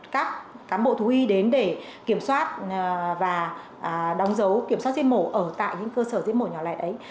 các cán bộ thú y đến để kiểm soát và đóng dấu kiểm soát giết mổ ở tại những cơ sở giết mổ nhỏ lẻ ấy